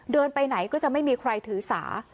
ไปไหนก็จะไม่มีใครถือสา